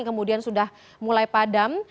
kemudian sudah mulai padam